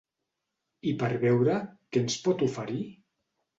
I per beure què ens pot oferir?